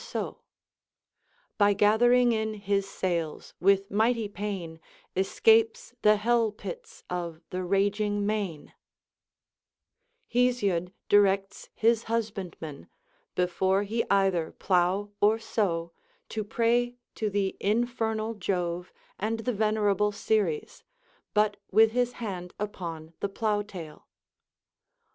12 178 OF SUPERSTITION By gathering in his sails, with mighty pain, Escapes the hell pits of the raging main, Hesiod * directs his husbandman, before he either plough or sow, to pray to the infernal Jove and the vener able Ceres, but with his hand upon the plough tail.